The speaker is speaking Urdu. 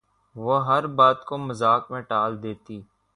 وہ ہر بات کو مذاق میں ٹال دیتی